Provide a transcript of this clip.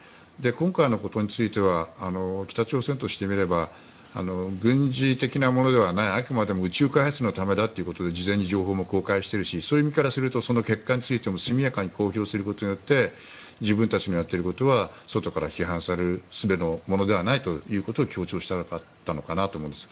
今回のことについては北朝鮮としてみれば軍事的なものではないあくまでも宇宙開発のためだと事前に情報も公開しているしそういう意味からすると結果についても速やかに公表することで自分たちのやってることは外から批判されるものではないということを強調したかったのかなと思うんです。